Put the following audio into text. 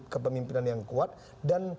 kepemimpinan yang kuat dan